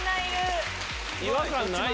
違和感ない？